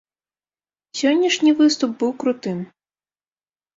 Сённяшні выступ быў крутым.